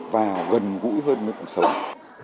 và gần gũi hơn mức sống